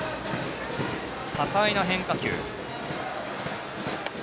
多彩な変化球。